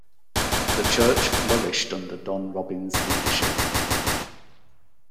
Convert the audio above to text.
The church flourished under Don Robins' leadership.